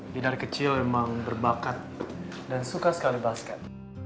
binar kecil memang berbakat dan suka sekali basket